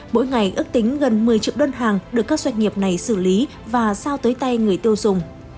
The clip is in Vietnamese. mỗi ngày ước tính gần một mươi triệu đơn hàng được các doanh nghiệp này xử lý và giao tới tay người tiêu dùng